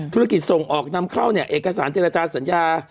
ธุรกิจส่งออกนำเข้าเนี่ยเอกสารเจรจาสัญญา